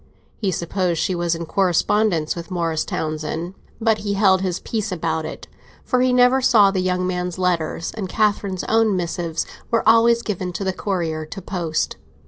He supposed she was in correspondence with Morris Townsend; but he held his peace about it, for he never saw the young man's letters, and Catherine's own missives were always given to the courier to post.